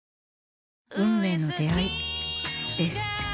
運命の出会いです。